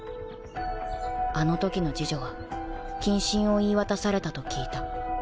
あの時の侍女は謹慎を言い渡されたと聞いた